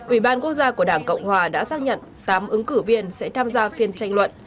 ủy ban quốc gia của đảng cộng hòa đã xác nhận tám ứng cử viên sẽ tham gia phiên tranh luận